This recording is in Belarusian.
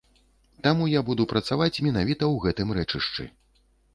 Таму я буду працаваць менавіта ў гэтым рэчышчы.